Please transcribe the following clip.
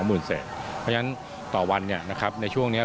เพราะฉะนั้นต่อวันในช่วงนี้